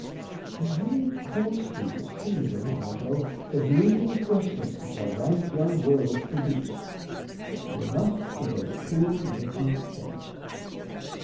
And many coarse foods, too, in long ago The blooming freshness of the rank young world Produced, enough for those poor wretches there.